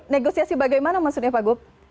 negosiasi bagaimana maksudnya pak gup